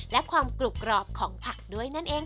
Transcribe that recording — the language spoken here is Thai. และความกรุบกรอบของผักด้วยนั่นเอง